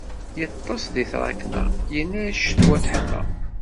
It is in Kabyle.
Iṭṭes di tṛakna, yenna-as ccetwa teḥma.